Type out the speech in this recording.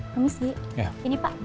komisi ini pak bil